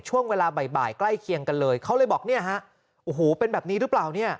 ช่วงเวลาบ่ายใกล้เคียงกันเลยเขาเลยบอกเนี่ยฮะโอ้โหเป็นแบบนี้หรือเปล่าเนี่ย